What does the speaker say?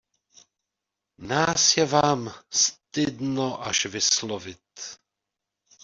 Nás je vám, stydno až vyslovit!